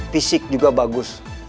fisik juga bagus